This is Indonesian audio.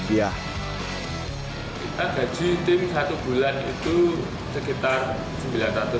kita gaji tim satu bulan itu sekitar rp sembilan ratus